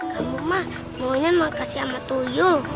kamu mah maunya makasih sama tuyul